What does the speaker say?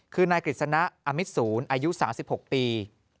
คือนายกฤษณะอมิตศูนย์อายุ๓๖ปี